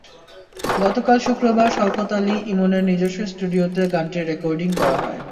গতকাল শুক্রবার শওকত আলী ইমনের নিজস্ব স্টুডিওতে গানটির রেকর্ডিং করা হয়।